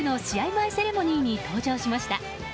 前セレモニーに登場しました。